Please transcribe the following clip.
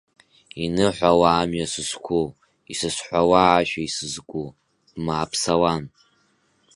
Иныҳәала амҩа сызқәу, исызҳәала ашәа исызку, бмааԥсалан.